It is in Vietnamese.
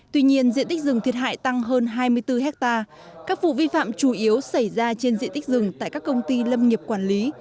tuy nhiên diện tích rừng thiệt hại tăng hơn hai mươi bốn hectare các vụ vi phạm chủ yếu xảy ra trên diện tích rừng tại các công ty lâm nghiệp quản lý